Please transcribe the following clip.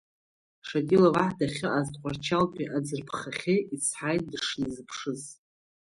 Шатилов аҳ дахьыҟаз Ҭҟәарчалтәи аӡырԥхахьы ицҳаит дышизԥшыз.